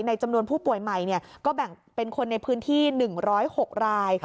จำนวนผู้ป่วยใหม่ก็แบ่งเป็นคนในพื้นที่๑๐๖ราย